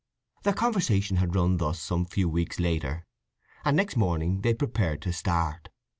Their conversation had run thus some few weeks later, and next morning they prepared to start.